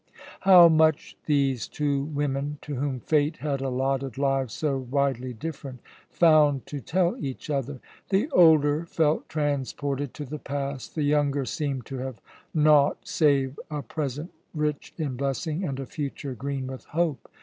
How much these two women, to whom Fate had allotted lives so widely different, found to tell each other! The older felt transported to the past, the younger seemed to have naught save a present rich in blessing and a future green with hope.